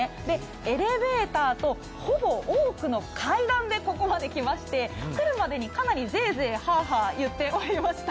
エレベーターとほぼ多くの階段でここまで来まして、来るまでにかなりぜえぜえ、はあはあ言ってました。